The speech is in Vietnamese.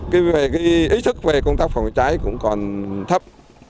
cái ý thức về công tác phòng cháy cũng còn thấp